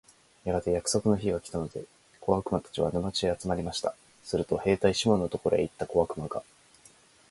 やがて約束の日が来ましたので、小悪魔たちは、沼地へ集まりました。すると兵隊シモンのところへ行った小悪魔が、